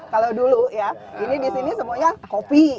kalau dulu ya ini di sini semuanya kopi